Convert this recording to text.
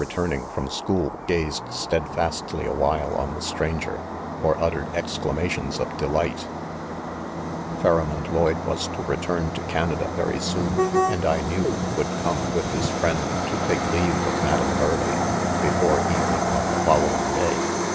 return ing from school gazed steadfastly awhile, on the stranger, or uttered exclamations of delights Phararaond Lloyde was to return to Canada very soon | and I knew, would come with his friend to take leave of Madam Burleigh, before ©¥ening on the following day.